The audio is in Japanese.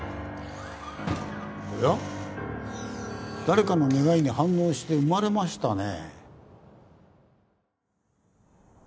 誰かの願いに反応して生まれましたね。